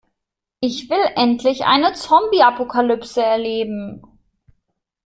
Ich will endlich eine Zombie-Apokalypse erleben.